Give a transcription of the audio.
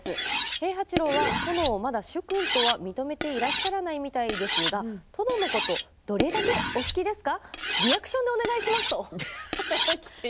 平八郎は殿まだ主君と認めていらっしゃらないみたいですがどれだけお好きですか。